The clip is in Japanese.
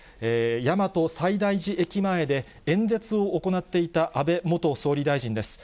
大和西大寺駅前で、演説を行っていた安倍元総理大臣です。